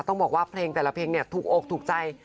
ต้องบอกว่าเพลงแต่ละเพลงเนี่ยถูกอกถูกใจ